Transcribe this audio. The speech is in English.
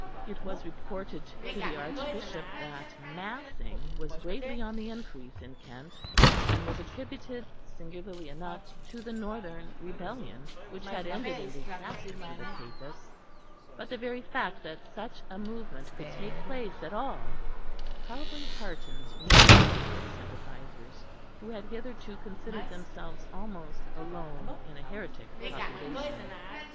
It was reported to the Archbishop that "massing" was greatly on the increase in Kent; and was attributed, singularly enough, to the Northern Rebellion, which had ended in disaster for the Papists; but the very fact that such a movement could take place at all probably heartened many secret sympathisers, who had hitherto considered themselves almost alone in a heretic population.